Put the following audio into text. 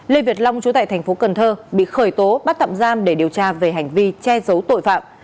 lê việt long chú tại tp cn bị khởi tố bắt tạm giam để điều tra về hành vi che giấu tội phạm